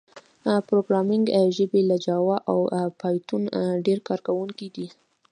پروګرامینګ ژبې لکه جاوا او پایتون ډېر کارېدونکي دي.